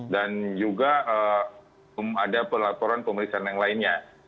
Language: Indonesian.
dan juga ada laporan pemeriksaan yang lainnya